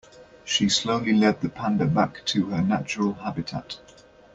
She slowly led the panda back to her natural habitat.